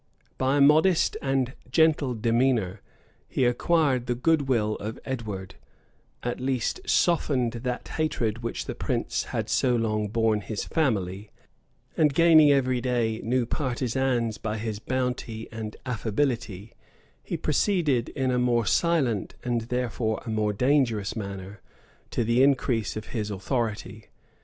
By a modest and gentle demeanor, he acquired the good will of Edward; at least, softened that hatred which the prince had so long borne his family;[] and gaining every day new partisans by his bounty and affability, he proceeded, in a more silent, and therefore a more dangerous manner, to the increase of his authority.